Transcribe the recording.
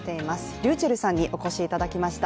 ｒｙｕｃｈｅｌｌさんにお越しいただきました。